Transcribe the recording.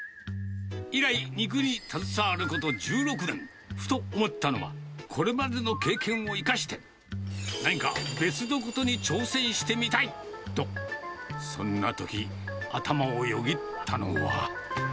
以来、肉に携わること１６年、ふと思ったのは、これまでの経験を生かして、何か別のことに挑戦してみたいと、そんなとき、頭をよぎったのは。